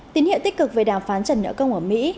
tín hiệu tích cực về đàm phán trần nợ công ở mỹ